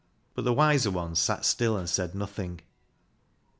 But the wiser ones sat still and said nothing.